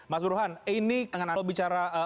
mas burhan ini dengan anda bicara